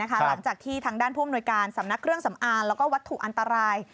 หลังจากที่ทางด้านภูมิโนยการสำนักเครื่องสำอางและวัตถุอันตราย